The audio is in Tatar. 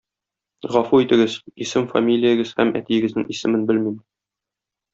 Гафу итегез, исем-фамилиягез һәм әтиегезнең исемен белмим.